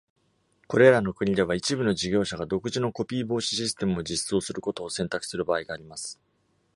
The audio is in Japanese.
これらの国では、一部の事業者が独自のコピー防止システムを実装することを選択する場合があります。